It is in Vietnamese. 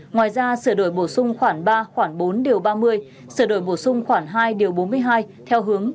ngoài ra sửa đổi bổ sung khoản ba khoản bốn điều ba mươi sửa đổi bổ sung khoản hai điều bốn mươi hai theo hướng